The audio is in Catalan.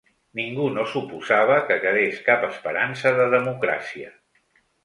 Ningú no suposava que quedés cap esperança de democràcia